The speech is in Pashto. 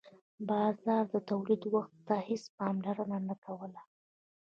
بازار د تولید وخت ته هیڅ پاملرنه نه کوله.